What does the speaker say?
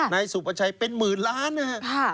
นายสุประชัยเป็นหมื่นล้านนะครับ